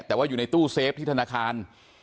แต่ว่าอยู่ในตู้เซฟที่ธนาคาร